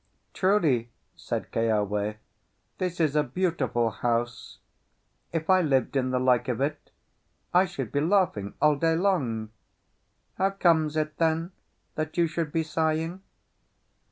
"Truly," said Keawe, "this is a beautiful house; if I lived in the like of it, I should be laughing all day long. How comes it, then, that you should be sighing?"